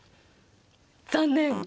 残念！